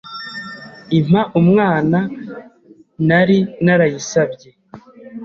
impa umwana nari narayisabye